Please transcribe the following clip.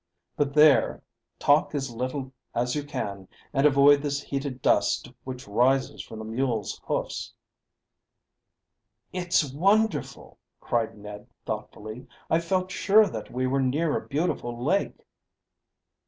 But there, talk as little as you can, and avoid this heated dust which rises from the mules' hoofs." "It's wonderful!" cried Ned thoughtfully. "I felt sure that we were near a beautiful lake."